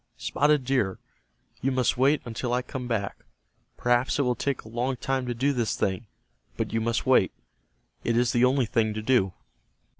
Spotted Deer, you must wait until I come back. Perhaps it will take a long time to do this thing, but you must wait. It is the only thing to do."